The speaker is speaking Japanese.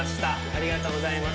ありがとうございます。